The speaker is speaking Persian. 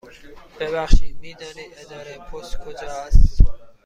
ببخشید، می دانید اداره پست کجا است؟